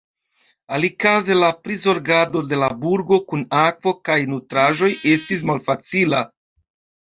Alikaze la prizorgado de la burgo kun akvo kaj nutraĵoj estis malfacila.